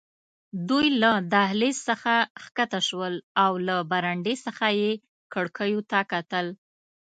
دوی له دهلېز څخه کښته شول او له برنډې څخه یې کړکیو ته کتل.